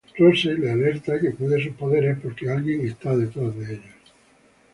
Rose le alerta que cuide sus poderes por que alguien está detrás de ellos.